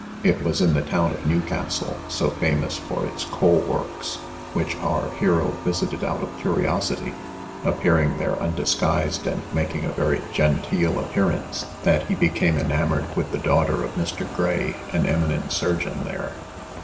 It was in the town of Newcastle, so famous for its coal works, which our hero visited out of curiosity, appearing there undisguised and making a very genteel appearance, that he became enamoured with the daughter of Mr. Gray, an eminent surgeon there.